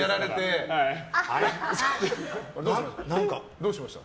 どうしました？